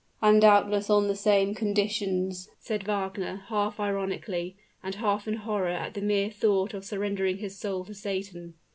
"And doubtless on the same conditions?" said Wagner, half ironically, and half in horror at the mere thought of surrendering his soul to Satan.